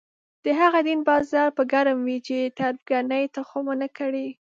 د هغه دین بازار به ګرم وي چې تربګنۍ تخم ونه کري.